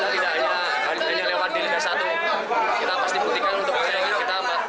jika tidak jika lewat di liga satu kita pasti putihkan untuk keinginan kita